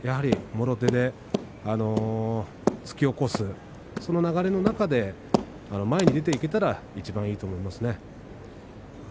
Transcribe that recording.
もろ手で突き起こすその流れの中で前に出ていけたらいちばんいいと思います。